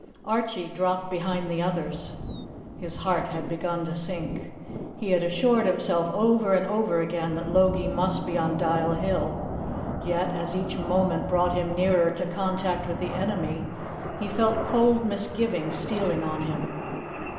Archie dropped behind the others. His heart had begun to sink. He had assured himself over and over again that Logie must be on Dial Hill; yet as each moment brought him nearer to contact with the enemy, he felt cold misgiving stealing on him.